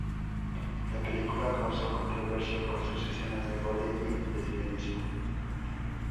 La película causó controversia por sus escenas de "gore" y lesbianismo.